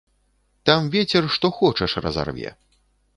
Там вецер што хочаш разарве.